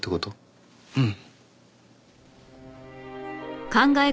うん。